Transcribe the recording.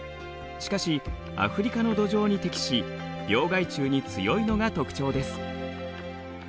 しかしアフリカの土壌に適し病害虫に強いのが特徴です。